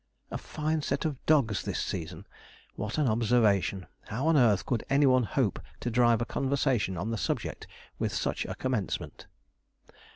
'A fine set of dogs this season! 'What an observation! How on earth could any one hope to drive a conversation on the subject with such a commencement?